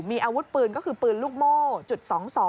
มีอาวุธปืนก็คือปืนลูกโม่จุด๒๒